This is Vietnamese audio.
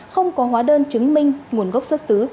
không có hóa đơn chứng minh nguồn gốc xuất xứ